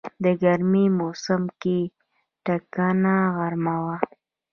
د ګرمی موسم کې ټکنده غرمه وه.